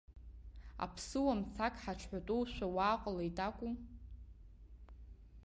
Аԥсыуа мцак ҳаҽҳәатәоушәа уааҟалеит акәу?